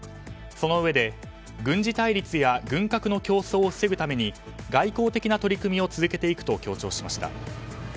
そのうえで軍事対立や軍拡の競争を防ぐために外交的な取り組みを続けていくと強調しました。